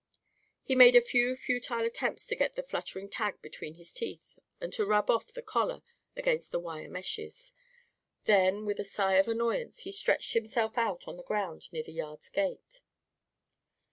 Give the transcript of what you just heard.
He made a few futile attempts to get the fluttering tag between his teeth and to rub off the collar against the wire meshes. Then, with a sigh of annoyance, he stretched himself out on the ground near the yard's gate.